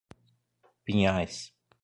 Pinhais